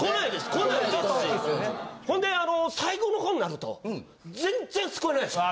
こないですしほんで最後の方になると全然すくえないでしょ？